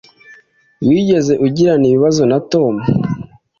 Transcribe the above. Wigeze ugirana ibibazo na Tom?